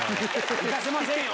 行かせませんよ！